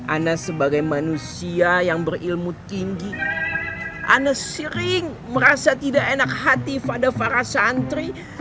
anas sebagai manusia yang berilmu tinggi anas sering merasa tidak enak hati pada para santri